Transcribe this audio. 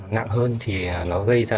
nặng hơn thì nó gây ra